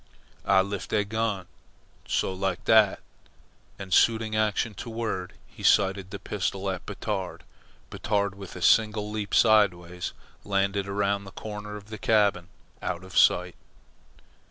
"Ah lift de gun, so, like dat." And suiting action to word, he sighted the pistol at Batard. Batard, with a single leap, sideways, landed around the corner of the cabin out of sight.